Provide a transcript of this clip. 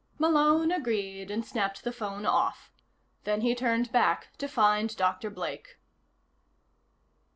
Malone agreed and snapped the phone off. Then he turned back to find Dr. Blake.